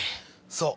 そう！